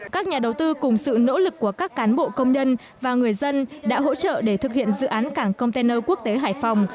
các nhà đầu tư cùng sự nỗ lực của các cán bộ công nhân và người dân đã hỗ trợ để thực hiện dự án cảng container quốc tế hải phòng